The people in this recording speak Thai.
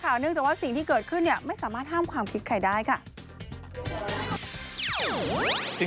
เนื่องจากว่าสิ่งที่เกิดขึ้นไม่สามารถห้ามความคิดใครได้ค่ะ